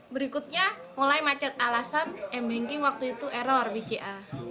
berikutnya mulai macet alasan embanking waktu itu error bca